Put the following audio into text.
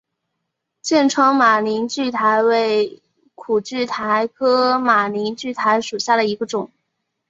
剑川马铃苣苔为苦苣苔科马铃苣苔属下的一个种。